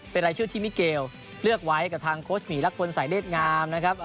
เป็นรายชื่อที่มิเกลเลือกไว้กับทางโค้ชหมีรักพลสายเนธงามนะครับ